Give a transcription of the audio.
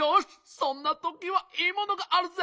そんなときはいいものがあるぜ！